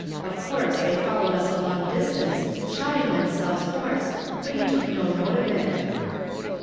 Of course they followed us a long distance, shouting them selves hoai"se ; hut he took no note of it.''